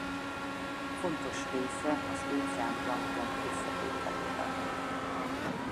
Fontos része az óceán plankton összetételében.